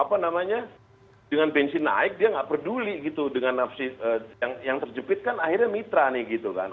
apa namanya dengan bensin naik dia nggak peduli gitu dengan nafsir yang terjepit kan akhirnya mitra nih gitu kan